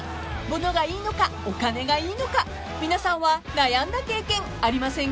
［物がいいのかお金がいいのか皆さんは悩んだ経験ありませんか？］